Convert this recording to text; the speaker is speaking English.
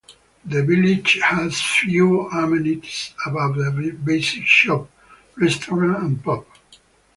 The village has few amenities above a basic shop, restaurant and pub.